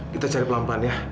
kita cari pelan pelan ya